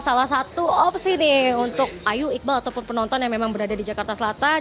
salah satu opsi nih untuk ayu iqbal ataupun penonton yang memang berada di jakarta selatan